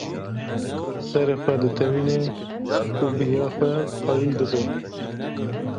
Serê xwe ditewîne û bi ya xwe qayîl dibe.